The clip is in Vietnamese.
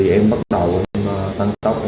em bắt đầu tăng tốc